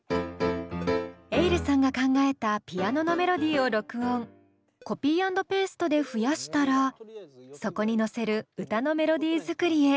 ｅｉｌｌさんが考えたピアノのメロディーを録音コピー＆ペーストで増やしたらそこに乗せる歌のメロディー作りへ。